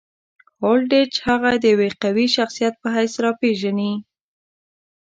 هولډیچ هغه د یوه قوي شخصیت په حیث راپېژني.